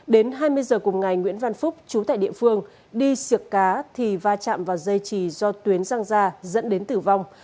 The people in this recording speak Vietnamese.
đến hai mươi giờ cùng ngày nguyễn văn phúc chú tại địa phương đi siệc cá thì va chạm vào dây trì do tuyến răng ra dẫn đến tử vong